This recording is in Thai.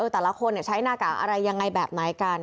แต่ละคนใช้หน้ากากอะไรยังไงแบบไหนกัน